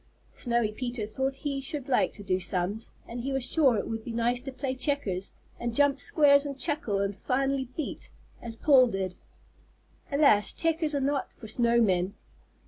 Snowy Peter thought he should like to do sums, and he was sure it would be nice to play checkers, and jump squares and chuckle and finally beat, as Paul did. Alas, checkers are not for snow men!